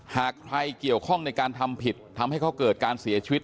หากใครเกี่ยวข้องในการทำผิดทำให้เขาเกิดการเสียชีวิต